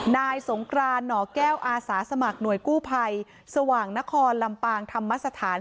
นายสงกรานหน่อแก้วอาสาสมัครหน่วยกู้ภัยสว่างนครลำปางธรรมสถาน